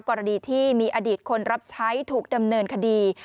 กรณีที่มีอดีตคนรับใช้ถูกดำเนินคดี